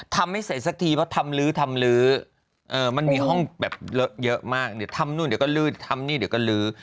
ไม่ใส่สักทีเพราะทำลื้อทำลื้อมันมีห้องแบบเลอะเยอะมากเดี๋ยวทำนู่นเดี๋ยวก็ลืดทำนี่เดี๋ยวก็ลื้อ